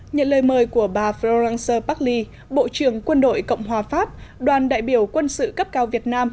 nhận lời mời của bà florence pagli bộ trưởng quân đội cộng hòa pháp đoàn đại biểu quân sự cấp cao việt nam